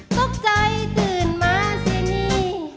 ตกใจตื่นมาสินี่